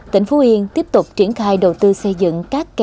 tỉnh phú yên tiếp tục triển khai đầu tư xây dựng các kè